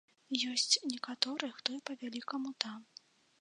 Ёсць некаторыя, хто і па-вялікаму там.